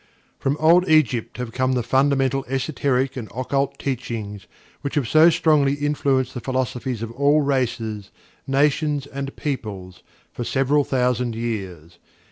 From old Egypt have come the fundamental esoteric and occult teachings which have so strongly influenced the philosophies of all races, nations and peoples, for several thousand years.